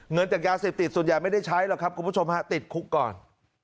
เงินจากยาเสพติดส่วนใหญ่ไม่ได้ใช้หรอกครับคุณผู้ชมฮะติดคุกก่อน